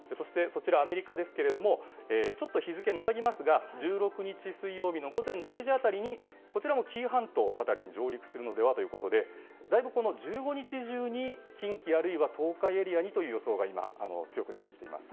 アメリカは日付またぎますが１６日水曜日の午前０時辺りにこちらも紀伊半島辺りに上陸するのではということでだいぶ１５日中に近畿あるいは東海エリアにという予想が強くやってきています。